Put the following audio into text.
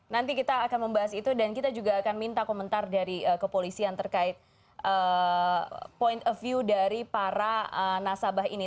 nanti kita akan membahas itu dan kita juga akan minta komentar dari kepolisian terkait point of view dari para nasabah ini